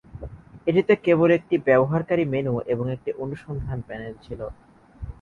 এটিতে কেবল একটি ব্যবহারকারী মেনু এবং একটি অনুসন্ধান প্যানেল ছিল।